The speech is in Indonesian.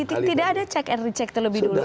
tidak ada check and recheck terlebih dulu